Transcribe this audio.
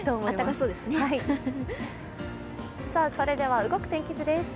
それでは、動く天気図です。